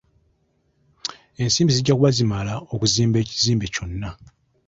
Ensimbi zijja kuba zimala okuzimba ekizimbe kyonna.